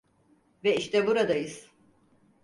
Ve işte buradayız.